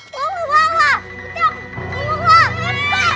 kenapa pak de